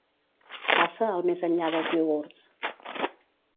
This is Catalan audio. Passa al més enllà dels iogurts.